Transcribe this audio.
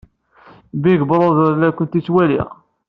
Big Brother la kent-yettwali.